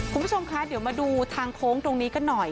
คุณผู้ชมคะเดี๋ยวมาดูทางโค้งตรงนี้กันหน่อย